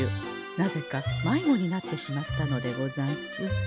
なぜか迷子になってしまったのでござんす。